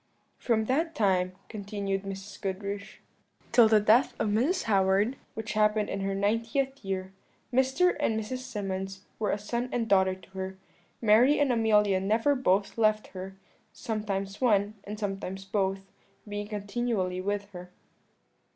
"From that time," continued Mrs. Goodriche, "till the death of Mrs. Howard, which happened in her ninetieth year, Mr. and Mrs. Symonds were a son and daughter to her. Mary and Amelia never both left her; sometimes one, and sometimes both, being continually with her."